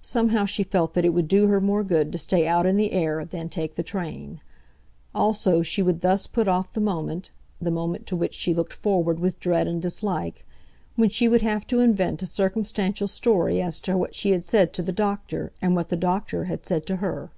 Somehow she felt that it would do her more good to stay out in the air than take the train. Also she would thus put off the moment—the moment to which she looked forward with dread and dislike—when she would have to invent a circumstantial story as to what she had said to the doctor, and what the doctor had said to her.